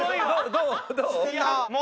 どう？